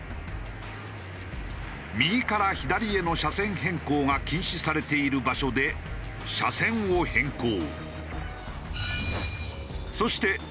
右から左への車線変更が禁止されている場所で車線を変更。